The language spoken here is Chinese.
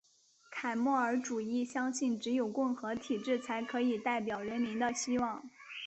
凯末尔主义相信只有共和体制才可以代表人民的希望。